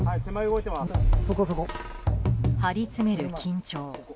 張り詰める緊張。